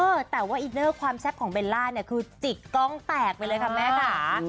เออแต่ว่าอินเนอร์ความแซ่บของเบลล่าเนี่ยคือจิกกล้องแตกไปเลยค่ะแม่ค่ะ